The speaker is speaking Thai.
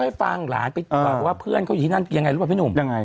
พี่บ๊วยบอกว่าเพื่อนเขาอยู่ที่นั่งยังไง